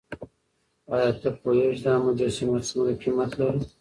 ایا ته پوهېږې چې دا مجسمه څومره قیمت لري؟